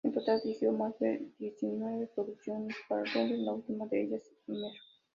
En total dirigió más de diecinueve producciones para Lubin, la última de ellas "Mr.